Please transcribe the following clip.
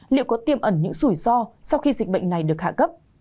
liệu có tiêm ẩn những rủi ro sau khi dịch bệnh này được hạ cấp